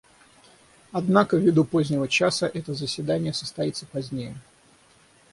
Однако, ввиду позднего часа, это заседание состоится позднее.